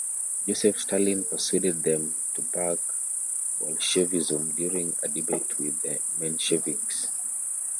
Joseph Stalin persuaded them to back Bolshevism during a debate with the Mensheviks.